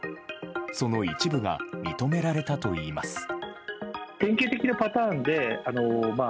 その一部が認められたといいます。